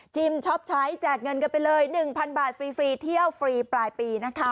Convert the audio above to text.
ช็อปใช้แจกเงินกันไปเลย๑๐๐บาทฟรีเที่ยวฟรีปลายปีนะคะ